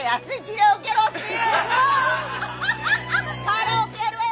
カラオケやるわよ